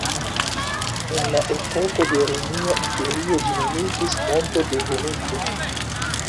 En la epoko de Romia Imperio ĝi nomiĝis Monto de Venuso.